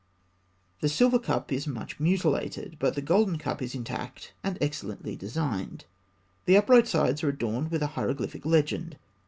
The silver cup is much mutilated, but the golden cup is intact and elegantly designed (fig. 284). The upright sides are adorned with a hieroglyphic legend.